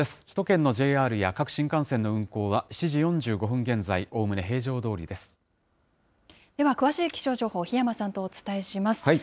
首都圏のＪＲや各新幹線の運行は、７時４５分現在、では詳しい気象情報、檜山さんとお伝えします。